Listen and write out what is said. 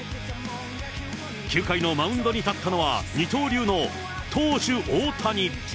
９回のマウンドに立ったのは、二刀流の投手・大谷。